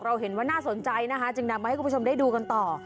เห็นว่าน่าสนใจนะคะจึงนำมาให้คุณผู้ชมได้ดูกันต่อ